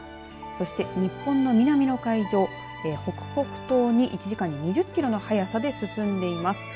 そして、日本の南の海上北北東に１時間に２０キロの速さで進んでいます。